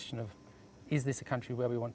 ini hanya pertanyaan